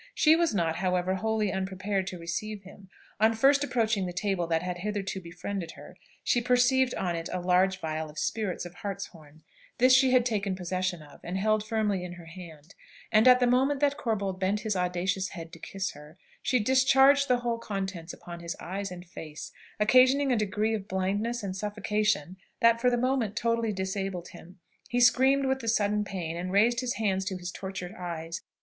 She was not, however, wholly unprepared to receive him. On first approaching the table that had hitherto befriended her, she perceived on it a large vial of spirits of hartshorn: this she had taken possession of, and held firmly in her hand; and at the moment that Corbold bent his audacious head to kiss her, she discharged the whole contents upon his eyes and face, occasioning a degree of blindness and suffocation, that for the moment totally disabled him. He screamed with the sudden pain, and raised his hands to his tortured eyes.